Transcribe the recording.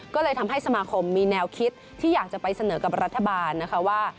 ก็เลยทำให้สมาคมมีแนวคิดที่อยากจะไปเสนอกับรัฐบาลนะคะว่า